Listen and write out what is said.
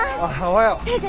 先生